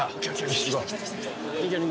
し行こう